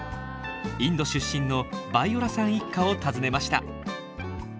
インド出身のバイオラさん一家を訪ねました。